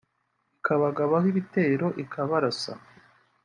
ikabagabaho ibitero ikabarasa